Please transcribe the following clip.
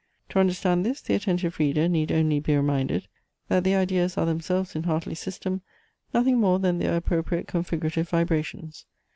To understand this, the attentive reader need only be reminded, that the ideas are themselves, in Hartley's system, nothing more than their appropriate configurative vibrations.